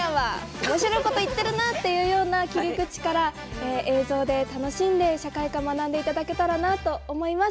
おもしろいこと言っているなというような切り口から映像で楽しんで社会科を学んでいただけたらなと思います。